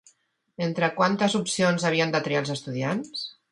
Entre quantes opcions havien de triar els estudiants?